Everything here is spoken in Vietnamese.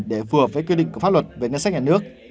để phù hợp với quy định của pháp luật về ngân sách nhà nước